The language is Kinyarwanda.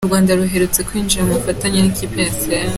U Rwanda ruherutse kwinjira mu bufatanye n’ikipe ya Arsenal